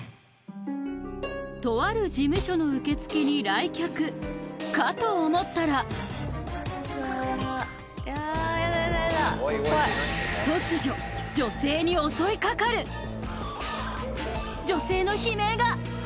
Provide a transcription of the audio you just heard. とある事務所の受付に来客かと思ったら突如女性の悲鳴が！